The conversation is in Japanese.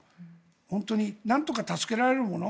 本当になんとか助けられるもの。